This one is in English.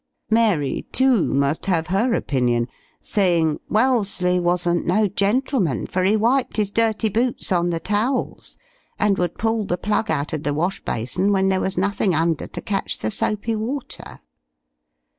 Mary, too, must have her opinion saying Wellesley wasn't no gentleman, for he wiped his dirty boots on the towels, and would pull the plug out of the wash bason when there was nothing under to catch the soapy water.